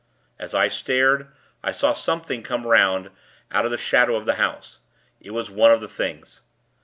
As I stared, I saw something come 'round, out of the shadow of the house. It was one of the Things.